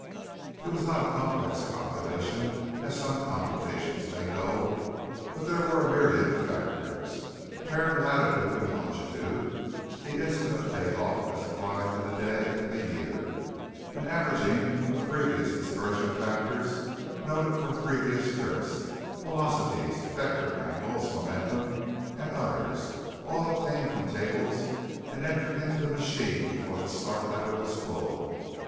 It was not a complex calculation as some computations may go, but there were a myriad of factors. Terran latitude and longitude, the instant of take off as applied to the day and the year, an averaging of previous dispersion factors noted from previous trips, velocities, vector angles, momentum, and others, all obtained from tables and entered in the machine before the start lever was pulled.